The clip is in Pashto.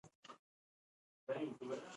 د شپې رڼا ډېره کمزورې وه.